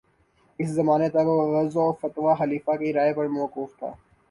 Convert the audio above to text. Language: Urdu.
اس زمانے تک وعظ اور فتویٰ خلیفہ کی رائے پر موقوف تھا